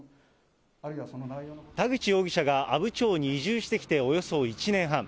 田口容疑者が阿武町に移住してきておよそ１年半。